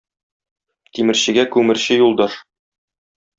Тимерчегә күмерче юлдаш.